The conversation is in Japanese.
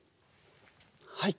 はい。